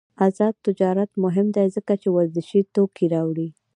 آزاد تجارت مهم دی ځکه چې ورزشي توکي راوړي.